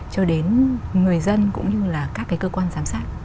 cho đến người dân cũng như là các cái cơ quan giám sát